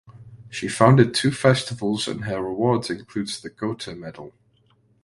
She founded two festivals and her awards include the Goethe Medal.